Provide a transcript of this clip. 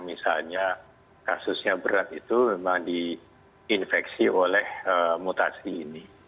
misalnya kasusnya berat itu memang diinfeksi oleh mutasi ini